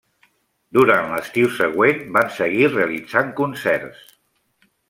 Durant l'estiu següent van seguir realitzant concerts.